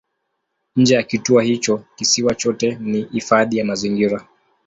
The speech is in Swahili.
Nje ya kituo hicho kisiwa chote ni hifadhi ya mazingira.